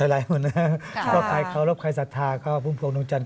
เท่าไรคุณพระอาจารย์เคารพไขสัตว์ภาคภูมิภวงดวงจันทร์